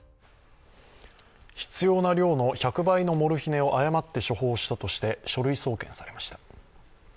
必要な量の１００倍のモルヒネを誤って処方したとして書類送検されました。